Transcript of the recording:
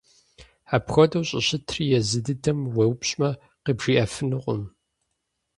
Апхуэдэу щӀыщытри езы дыдэм уеупщӀми къыбжиӀэфынукъым.